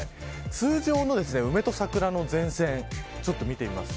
通常の梅と桜の前線を見てみます。